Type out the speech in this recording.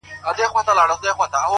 د حقیقت منل شخصیت پیاوړی کوي,